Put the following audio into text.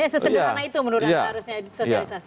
ya sesederhana itu menurut anda harusnya sosialisasi